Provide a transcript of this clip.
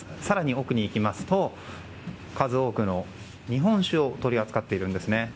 更に奥に行きますと数多くの日本酒を取り扱っているんですね。